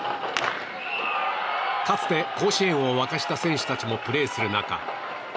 かつて甲子園を沸かした選手たちもプレーする中